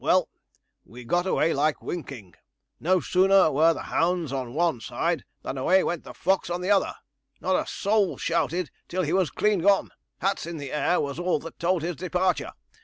Well, we got away like winking; no sooner were the hounds in on one side than away went the fox on the other. Not a soul shouted till he was clean gone; hats in the air was all that told his departure.